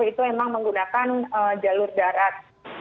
itu memang menggunakan jalur darat